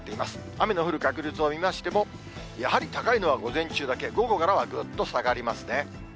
雨の降る確率を見ましても、やはり高いのは午前中だけ、午後からはぐっと下がりますね。